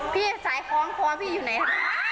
พี่ใส่คล้องคล้องพี่อยู่ไหน